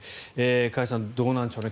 加谷さんどうなんでしょう。